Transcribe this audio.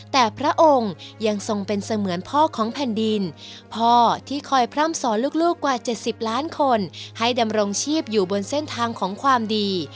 แต่พระองค์ยังทรงเป็นเสมือนพ่อของแผ่นดินพ่อที่คอยพร่ำสอนลูกกว่า๗๐ล้านคนให้ดำรงชีพอยู่บนเส้นทางของความดี